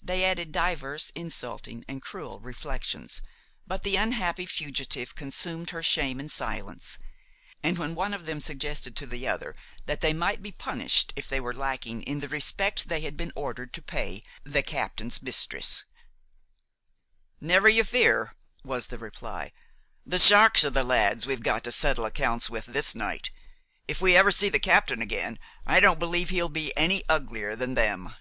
They added divers insulting and cruel reflections, but the unhappy fugitive consumed her shame in silence; and when one of them suggested to the other that they might be punished if they were lacking in the respect they had been ordered to pay the captain's mistress: "Never you fear!" was the reply; "the sharks are the lads we've got to settle accounts with this night. If we ever see the captain again, I don't believe he'll be any uglier than them."